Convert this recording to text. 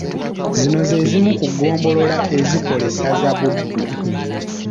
Zino ze zimu ku ggombolola ezikola essaza Buddu.